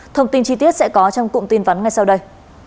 thông tin chi tiết sẽ có trong cụm tin vắn ngay sau đây